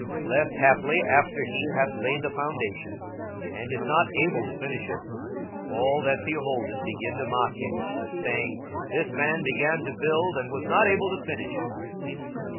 42:014:029 Lest haply, after he hath laid the foundation, and is not able to finish it, all that behold it begin to mock him, 42:014:030 Saying, This man began to build, and was not able to finish.